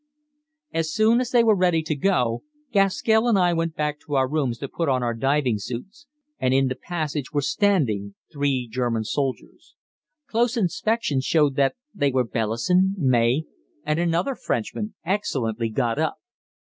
As soon as they were ready to go, Gaskell and I went back to our rooms to put on our diving suits, and in the passage were standing three German soldiers. Close inspection showed that they were Bellison, May, and another Frenchman excellently got up.